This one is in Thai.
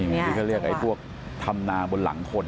ที่เขาเรียกไอ้พวกทำนาบนหลังคน